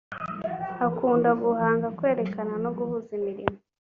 akunda guhanga kwerekana no guhuza imirimo